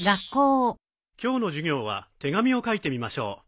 今日の授業は手紙を書いてみましょう。